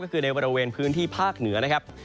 ก็คือในบริเวณพื้นที่ภาคเหนือนะครับ